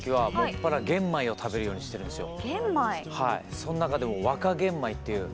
その中でも若玄米っていう。